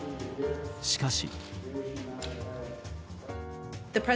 しかし。